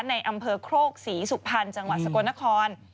ในอำเภอโครกศรีสุพรรณจังหวัดสกลนคร